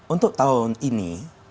untuk tahun ini